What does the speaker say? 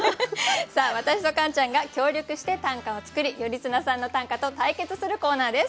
私とカンちゃんが協力して短歌を作り頼綱さんの短歌と対決するコーナーです。